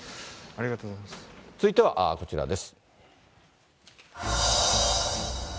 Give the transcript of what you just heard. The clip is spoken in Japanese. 続いてはこちらです。